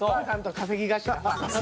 「稼ぎ頭」。